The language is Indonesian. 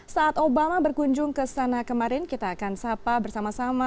saat obama berkunjung ke sana kemarin kita akan sapa bersama sama